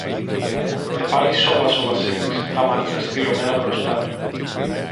Και πάλι σώπασε ο Βασίλης, τα μάτια στυλωμένα μπροστά του